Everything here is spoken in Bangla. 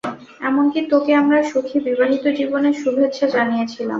এমনকি তোকে আমরা সুখী বিবাহিত জীবনের শুভেচ্ছা জানিয়েছিলাম।